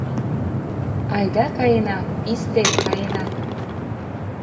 Айда каена, писте, каена!